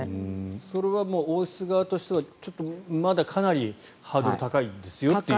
それは王室側としてはまだかなりハードル高いんですよという。